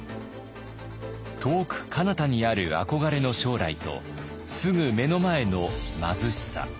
遠くかなたにある憧れの将来とすぐ目の前の貧しさ。